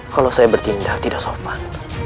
kalau saya bertindak tidak sopan